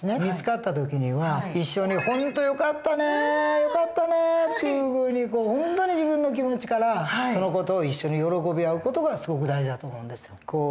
見つかった時には一緒に「本当よかったねよかったね」というふうに本当に自分の気持ちからその事を一緒に喜び合う事がすごく大事だと思うんですよ。